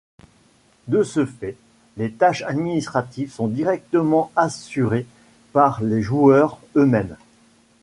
De ce fait, les tâches administratives sont directement assurées par les joueurs eux-mêmes.